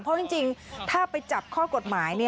เพราะจริงถ้าไปจับข้อกฎหมาย